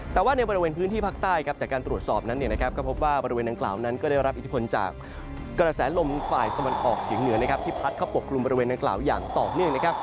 แต่ว่าในบริเวณพื้นที่ภาคใต้ครับจากการตรวจสอบนั้นก็พบว่าบริเวณดังกล่าวนั้นก็ได้รับอิทธิพลจากกระแสลมฝ่ายตะวันออกเฉียงเหนือนะครับที่พัดเข้าปกกลุ่มบริเวณดังกล่าวอย่างต่อเนื่องนะครับ